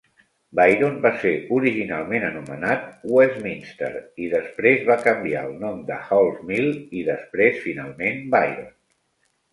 Byron va ser originalment anomenat Westminster, i després va canviar el nom de Hall's Mill, i després finalment Byron.